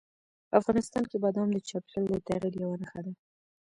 افغانستان کې بادام د چاپېریال د تغیر یوه نښه ده.